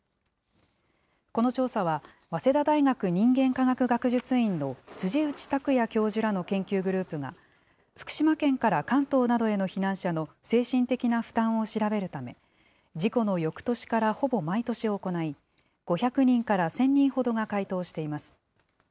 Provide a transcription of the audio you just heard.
この調査は、早稲田大学人間科学学術院の辻内琢也教授らの研究グループが、福島県から関東などへの避難者の精神的な負担を調べるため、事故のよくとしからほぼ毎年行い、５００人から１０００人ほどが回答しています。